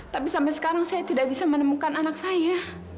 tapi sampai sekarang saya tidak bisa menemukan anak saya